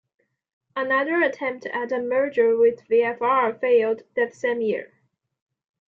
Another attempt at a merger with "VfR" failed that same year.